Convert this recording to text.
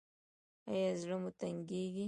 ایا زړه مو تنګیږي؟